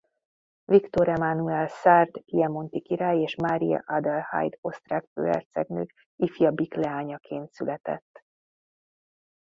Viktor Emánuel szárd–piemonti király és Mária Adelheid osztrák főhercegnő ifjabbik leányaként született.